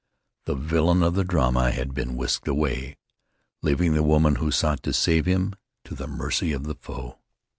The villain of the drama had been whisked away, leaving the woman who sought to save him to the mercy of the foe.